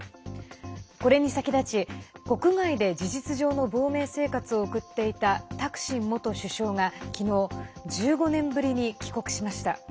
これに先立ち、国外で事実上の亡命生活を送っていたタクシン元首相が昨日１５年ぶりに帰国しました。